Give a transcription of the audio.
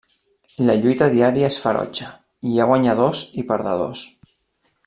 La lluita diària és ferotge, hi ha guanyadors i perdedors.